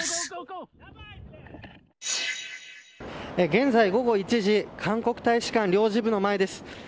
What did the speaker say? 現在午前１時韓国大使館領事部の前です。